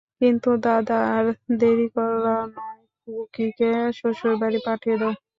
কিন্তু দাদা, আর দেরি করা নয়, খুকিকে শ্বশুরবাড়ি পাঠিয়ে দাও।